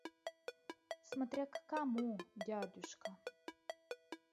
Смотря как кому, дядюшка.